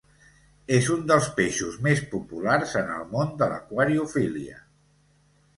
És un dels peixos més populars en el món de l'aquariofília.